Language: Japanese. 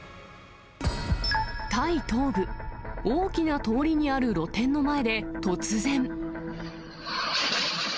タイ東部、大きな通りにある露店の前で、突然。